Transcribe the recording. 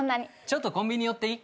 ちょっとコンビニ寄っていい？